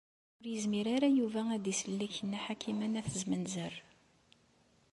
Ur yezmir ara Yuba ad isellek Nna Ḥakima n At Zmenzer.